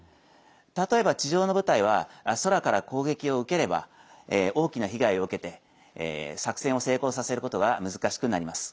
例えば、地上の部隊は空から攻撃を受ければ大きな被害を受けて作戦を成功させることが難しくなります。